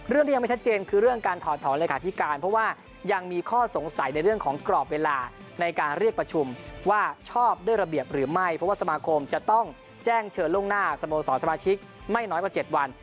ที่ยังไม่ชัดเจนคือเรื่องการถอดถอนเลขาธิการเพราะว่ายังมีข้อสงสัยในเรื่องของกรอบเวลาในการเรียกประชุมว่าชอบด้วยระเบียบหรือไม่เพราะว่าสมาคมจะต้องแจ้งเชิญล่วงหน้าสโมสรสมาชิกไม่น้อยกว่า๗วัน